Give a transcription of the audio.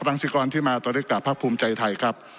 รังศิกรที่มาตรศิกษาภาพภูมิใจไทยครับ